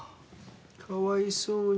かわいそうに。